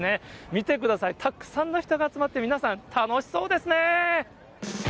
見てください、たくさんの人が集まって、皆さん楽しそうですね。